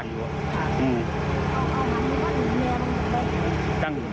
ตอนแรกควรดีข้าอ่อนดู